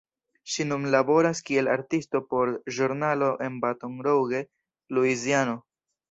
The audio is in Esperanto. Ŝi nun laboras kiel artisto por ĵurnalo en Baton Rouge, Luiziano.